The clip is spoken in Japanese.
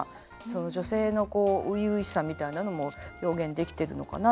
女性のこう初々しさみたいなのも表現できてるのかなと思います。